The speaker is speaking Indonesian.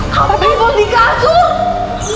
kamar bayu ngomong di kasur